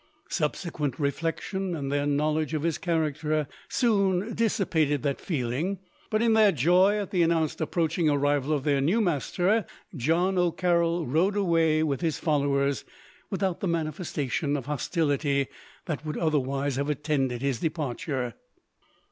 Subsequent reflection, and their knowledge of his character, soon dissipated that feeling; but in their joy at the announced approaching arrival of their new master, John O'Carroll rode away, with his followers, without the manifestation of hostility that would otherwise have attended his departure.